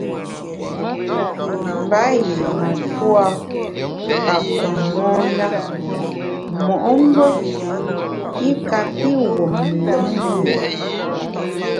Mba yié matua ka kum mon na mo’mbe i kapi wum lùm mo’.